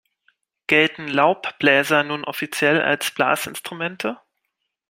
Gelten Laubbläser nun offiziell als Blasinstrumente?